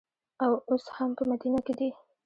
او اوس هم په مدینه کې دي.